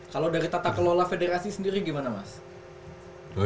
kalau dari tata kelola federasi sendiri gimana mas